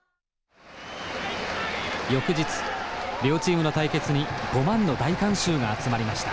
翌日両チームの対決に５万の大観衆が集まりました。